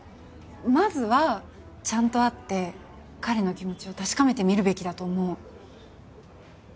まずはちゃんと会って彼の気持ちを確かめてみるべきだと思う。